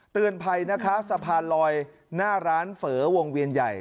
เตือนภัยนะคะสะพานลอยหน้าร้านเฝอวงเวียนใหญ่